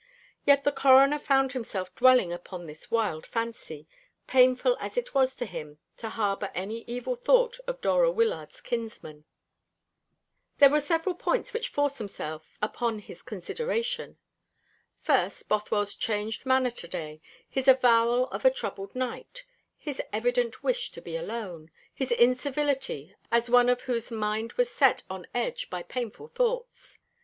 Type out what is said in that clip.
Yet the Coroner found himself dwelling upon this wild fancy, painful as it was to him to harbour any evil thought of Dora Wyllard's kinsman. There were several points which forced themselves upon his consideration. First, Bothwell's changed manner to day his avowal of a troubled night his evident wish to be alone his incivility, as of one whose mind was set on edge by painful thoughts.